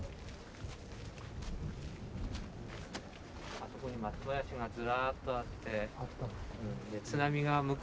あそこに松林がずらっとあって津波が向こうから来るの。